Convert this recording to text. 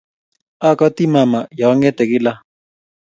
Akati mama yaangete kila.